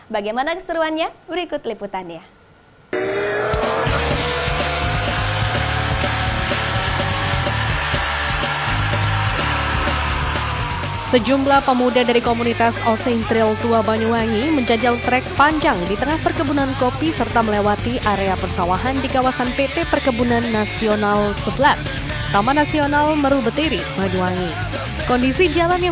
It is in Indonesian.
bagaimana keseruannya berikut liputannya